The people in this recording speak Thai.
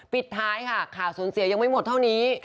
ปิดท้ายค่ะข่าวสูญเสียยังไม่หมดเท่านี้